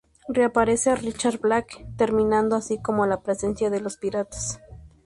Reaparece Richard Blake, terminando así con la presencia de los piratas.